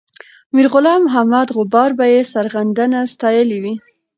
میرغلام محمد غبار به یې سرښندنه ستایلې وي.